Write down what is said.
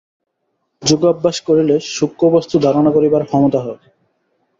যোগাভ্যাস করিলে সূক্ষ্ম বস্তু ধারণা করিবার ক্ষমতা হয়।